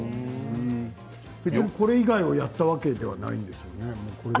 別にこれ以外をやったわけではないんですよね？